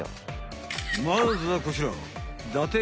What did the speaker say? まずはこちら。